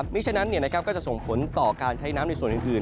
ฉะนั้นก็จะส่งผลต่อการใช้น้ำในส่วนอื่น